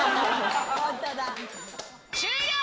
終了！